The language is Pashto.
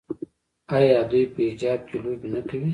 آیا دوی په حجاب کې لوبې نه کوي؟